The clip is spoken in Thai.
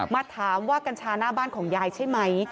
มาถามว่ากัญชาหน้าบ้านของยายใช่ไหม